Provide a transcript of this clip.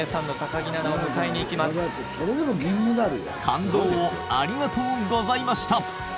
感動をありがとうございました。